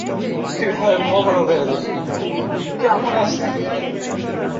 রাজধানীর প্রায় দুই কোটি মানুষের নিরাপত্তা দিতে পুলিশের সক্ষমতা বৃদ্ধি করা হচ্ছে।